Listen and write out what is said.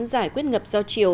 giải quyết ngập giao chiều